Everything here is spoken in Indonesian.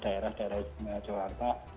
daerah daerah istimewa yogyakarta